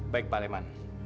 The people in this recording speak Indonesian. baik pak aleman